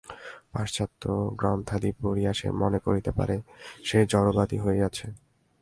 পাশ্চাত্য গ্রন্থাদি পড়িয়া সে মনে করিতে পারে, সে জড়বাদী হইয়াছে।